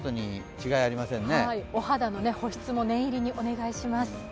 お肌の保湿も念入りにお願いします。